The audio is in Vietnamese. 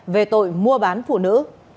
về tội mua bán phụ nữ